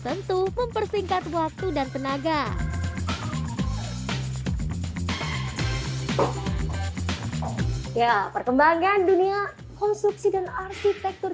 tentu mempersingkat waktu dan tenaga ya perkembangan dunia konstruksi dan arsitektur